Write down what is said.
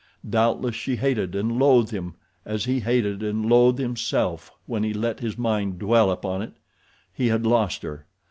Doubtless she hated and loathed him as he hated and loathed himself when he let his mind dwell upon it. He had lost her.